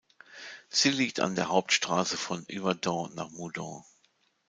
Sie liegt an der Hauptstrasse von Yverdon nach Moudon.